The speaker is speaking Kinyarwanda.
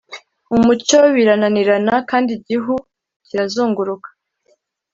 umucyo birananirana kandi igihu kirazunguruka